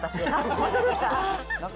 本当ですか？